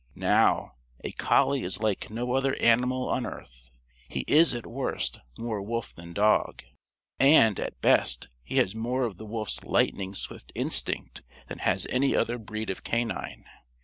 Now, a collie is like no other animal on earth. He is, at worst, more wolf than dog. And, at best, he has more of the wolf's lightning swift instinct than has any other breed of canine.